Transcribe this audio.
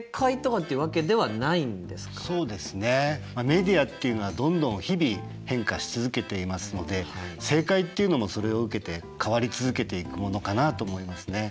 メディアっていうのはどんどん日々変化し続けていますので正解っていうのもそれを受けて変わり続けていくものかなと思いますね。